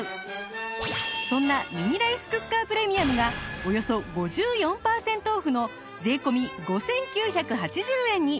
そんなミニライスクッカープレミアムがおよそ５４パーセントオフの税込５９８０円に